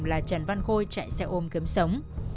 là trần văn khôi chạy xe ôm kiếm sống